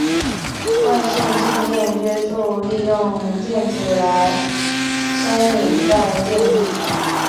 惯性静电约束利用电场来牵引带电粒子。